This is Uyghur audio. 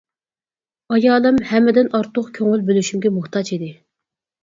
ئايالىم ھەممىدىن ئارتۇق كۆڭۈل بۆلۈشۈمگە موھتاج ئىدى.